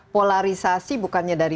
polarisasi bukannya dari